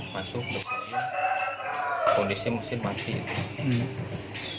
masuk ke kondisi mesin masih